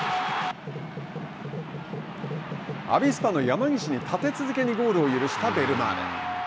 アビスパの山岸に立て続けにゴールを許したベルマーレ。